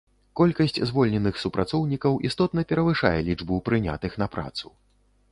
Колькасць звольненых супрацоўнікаў істотна перавышае лічбу прынятых на працу.